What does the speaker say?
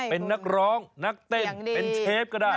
เป็นนักร้องนักเต้นเป็นเชฟก็ได้